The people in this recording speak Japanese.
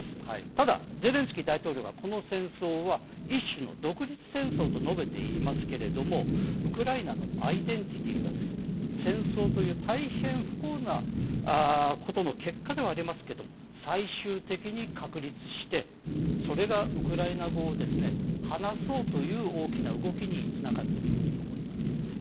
ただ、ゼレンスキー大統領がこの戦争は一種の独立戦争と述べていますけれども、ウクライナのアイデンティティが戦争という大変不幸なことの結果ではありますけれども、最終的に確立して、それがウクライナ語を話そうという大きな動きにつながっているように思います。